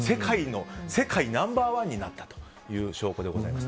世界ナンバー１になったという証拠でございます。